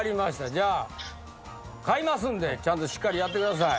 じゃあ買いますんでちゃんとしっかりやってください。